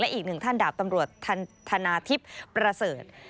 อีกหนึ่งท่านดาบตำรวจธนาทิพย์ประเสริฐ